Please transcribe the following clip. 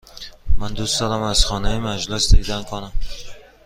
من دوست دارم از خانه مجلس دیدن کنم.